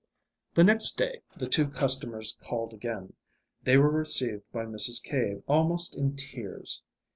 The next day the two customers called again. They were received by Mrs. Cave almost in tears.